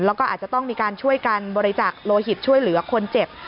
แล้วก็อาจจะต้องมีการช่วยกันบริจักษ์โลหิตช่วยเหลือคนเจ็บ